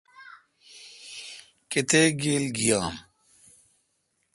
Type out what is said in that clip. کتیک گیل گییام۔